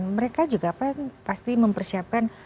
mereka juga pasti mempersiapkan